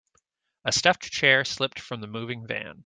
A stuffed chair slipped from the moving van.